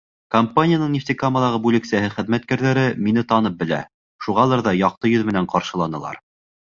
Компанияның Нефтекамалағы бүлексәһе хеҙмәткәрҙәре мине танып белә, шуғалыр ҙа яҡты йөҙ менән ҡаршыланылар.